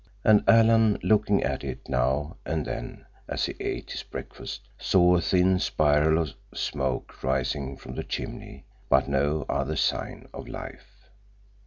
And Alan, looking at it now and then as he ate his breakfast, saw a thin spiral of smoke rising from the chimney, but no other sign of life.